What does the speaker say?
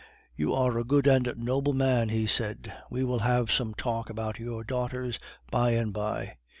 "You are a good and noble man," he said. "We will have some talk about your daughters by and by."